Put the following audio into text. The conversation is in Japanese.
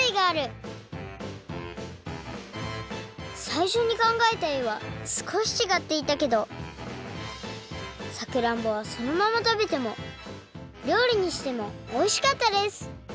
さいしょにかんがえたえはすこしちがっていたけどさくらんぼはそのままたべてもりょうりにしてもおいしかったです！